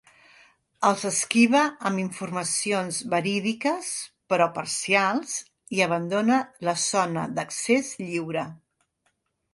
Els esquiva amb informacions verídiques però parcials i abandona la zona d'accés lliure.